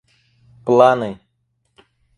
планы